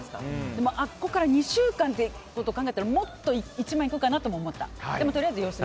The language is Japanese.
でも、あそこから２週間というのを考えたらもっと１万いくかなとも思った。